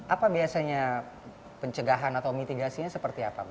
apa biasanya pencegahan atau mitigasinya seperti apa